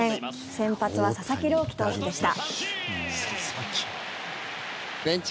先発は佐々木朗希投手でした。